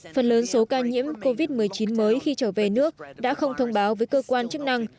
phần lớn số ca nhiễm covid một mươi chín mới khi trở về nước đã không thông báo với cơ quan chức năng